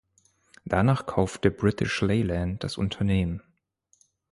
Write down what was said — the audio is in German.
Danach kaufte British Leyland das Unternehmen.